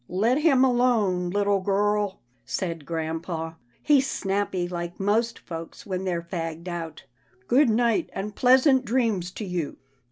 " Let him alone, little girl," said grampa, " he's snappy like most folks when they're fagged out. Good night, and pleasant dreams to you."